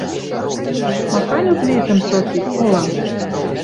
Махань ответӹм, Софи, колам?..» —